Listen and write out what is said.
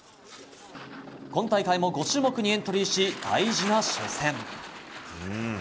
今大会も５種目にエントリーし大事な初戦。